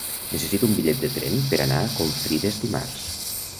Necessito un bitllet de tren per anar a Confrides dimarts.